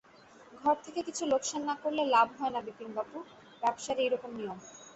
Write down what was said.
ঘর থেকে কিছু লোকসান না করলে লাভ হয় না বিপিনবাবু– ব্যাবসার এইরকম নিয়ম।